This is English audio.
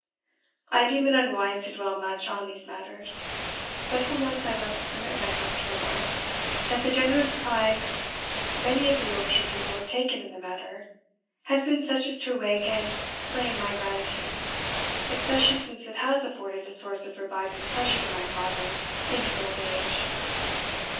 I deem it unwise to dwell much on these matters; but for once I must permit myself to remark, that the generous pride many of the Yorkshire people have taken in the matter, has been such as to awake and claim my gratitude especially since it has afforded a source of reviving pleasure to my father in his old age.